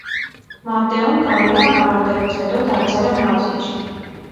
Մատտեուն կարիերան ավարտելուց հետո դարձել է մարզիչ։